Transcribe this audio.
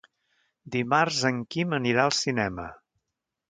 Dimarts en Quim anirà al cinema.